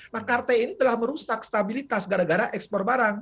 nah karte ini telah merusak stabilitas gara gara ekspor barang